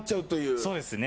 そうですね。